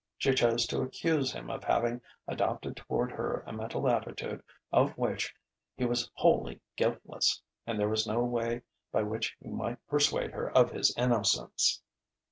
She chose to accuse him of having adopted toward her a mental attitude of which he was wholly guiltless; and there was no way by which he might persuade her of his innocence!